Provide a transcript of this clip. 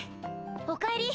おかえり！